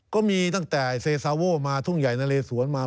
ก็มีตั้งแต่เซซาโว่มาทุ่งใหญ่นะเลสวนมา